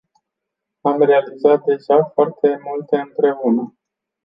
Am realizat deja foarte multe împreună.